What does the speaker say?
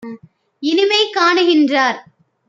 இனிமை காணுகின்றார்